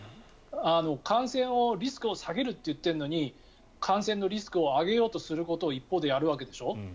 感染をリスクを下げると言ってるのに感染のリスクを上げようとすることを一方でやるわけでしょ。